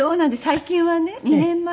最近はね２年前に。